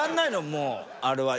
もうあれは。